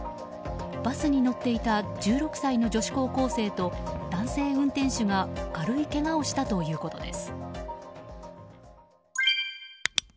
バスに乗っていた１６歳の女子高校生と男性運転手が軽いけがをしたということです。